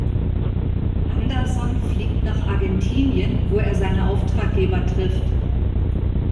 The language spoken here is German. Anderson fliegt nach Argentinien, wo er seine Auftraggeber trifft.